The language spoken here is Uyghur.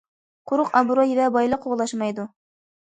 قۇرۇق ئابرۇي ۋە بايلىق قوغلاشمايدۇ.